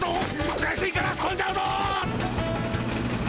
くやしいからとんじゃうぞ！